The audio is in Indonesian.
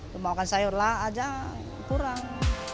mau makan sayur lah aja kurang